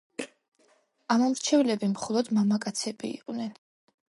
ამომრჩევლები მხოლოდ მამაკაცები იყვნენ.